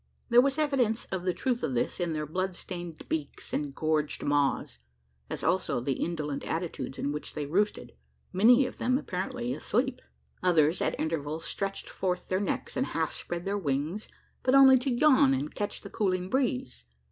There was evidence of the truth of this, in their blood stained beaks and gorged maws, as also the indolent attitudes in which they roosted many of them apparently asleep! Others at intervals stretched forth their necks, and half spread their wings; but only to yawn and catch the cooling breeze.